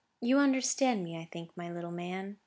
You understand me, I think, my little man?"